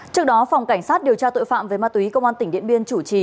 trước đó phòng cảnh sát điều tra tội phạm về ma túy công an tỉnh điện biên chủ trì